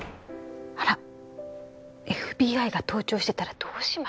あらっＦＢＩが盗聴してたらどうしましょ？